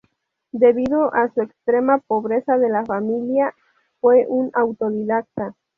Debido a su extrema pobreza de la familia, fue un autodidacta.